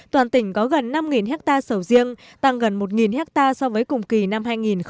toàn tỉnh có gần năm hectare sầu riêng tăng gần một hectare so với cùng kỳ năm hai nghìn một mươi tám